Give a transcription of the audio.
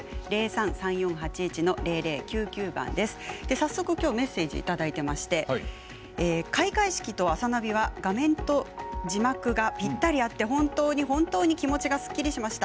早速、きょうメッセージをいただいておりまして開会式と「あさナビ」は画面と字幕がぴったり合って本当に本当に気持ちがすっきりしました。